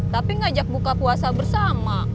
tapi ngajak buka puasa bersama